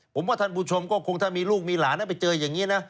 ผมว่าท่านผู้ชมก็คงถ้ามีลูกมีหลานนะไปเจออย่างนี้นะ